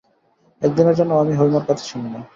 একদিনের জন্যও আমি হৈমর কাছে শুনি নাই।